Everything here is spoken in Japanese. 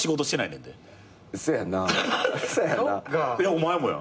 お前もや。